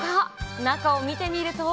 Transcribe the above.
中を見てみると。